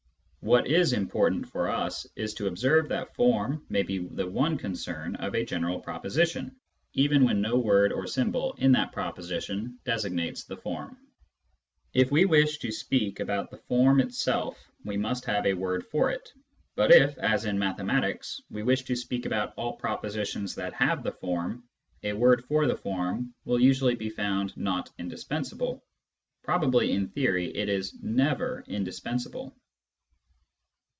What is important for us is to observe that form may be the one concern of a general proposition, even when no word or symbol in that proposition designates the form. If we wish to speak about the form itself, we must have a word for it ; but if, as in mathematics, we wish to speak about all propositions that have the form, a word for the form will usually be found not indispensable ; probably in theory it is never indispensable.